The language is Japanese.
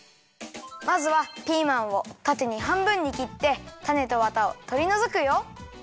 まずはピーマンをたてにはんぶんにきってたねとわたをとりのぞくよ。